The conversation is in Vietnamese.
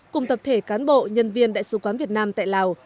cùng tập thể cán bộ nhân viên đại sứ quán việt nam tại lào